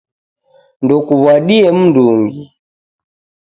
Ndukuw'adie mndungi